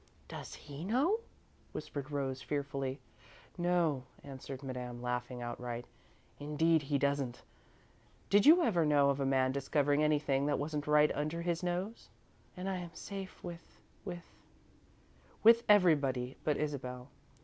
"Does he know?" whispered Rose, fearfully. "No," answered Madame, laughing outright, "indeed he doesn't. Did you ever know of a man discovering anything that wasn't right under his nose?" "And I am safe with with " "With everybody but Isabel.